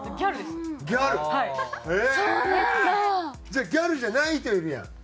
じゃあギャルじゃない人いるやん。